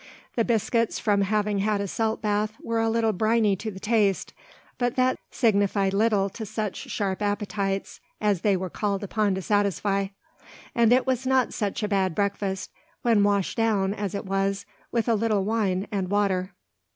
The biscuits from having had a salt bath were a little briny to the taste; but that signified little to such sharp appetites as they were called upon to satisfy; and it was not such a bad breakfast, when washed down, as it was, with a little wine and water.